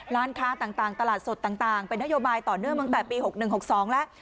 ร้านค้าต่างตลาดสดต่างเป็นนโยบายต่อเนื่องตั้งแต่ปี๖๑๖๒แล้ว